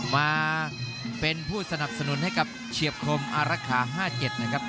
มาเป็นผู้สนับสนุนให้กับเฉียบคมอารักษา๕๗นะครับ